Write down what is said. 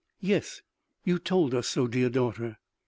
"Yes you told us so, dear daughter."